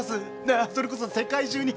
ああそれこそ世界中に！